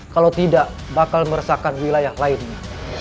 kalau tidak bakal meresahkan wilayah lainnya